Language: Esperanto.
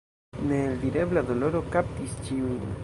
Neeldirebla doloro kaptis ĉiujn.